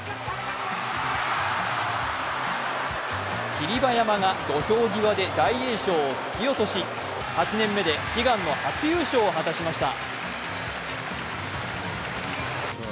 霧馬山が土俵際で大栄翔を突き落とし、８年目で悲願の初優勝を果たしました。